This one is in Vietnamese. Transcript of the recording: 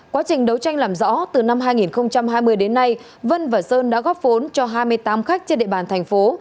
quá trình đấu tranh làm rõ từ năm hai nghìn hai mươi đến nay vân và sơn đã góp vốn cho hai mươi tám khách trên địa bàn thành phố